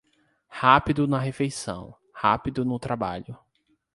Rápido na refeição, rápido no trabalho.